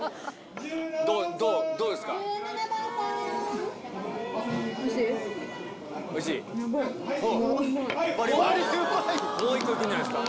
どう、どうですか。